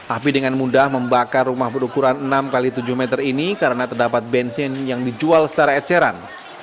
api dengan mudah membakar rumah berukuran enam x tujuh meter ini karena terdapat bensin yang dijual secara eceran